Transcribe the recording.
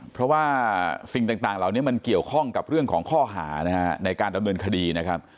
เพราะว่าสิ่งต่างเหล่านี้มันเกี่ยวข้องกับเรื่องของข้อหานะฮะในการดำเนินคดีนะครับ